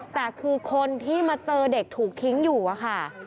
แต่คือคนที่มาเจอเด็กถูกทิ้งอยู่อะค่ะ